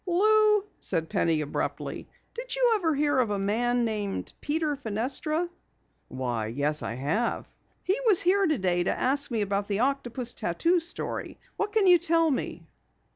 "Lou," said Penny abruptly, "did you ever hear of a man named Peter Fenestra?" "Why, yes, I have." "He was here today to ask me about the octopus tattoo story. What can you tell me?"